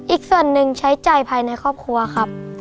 อีกส่วนหนึ่งใช้จ่ายภายในครอบครัวครับ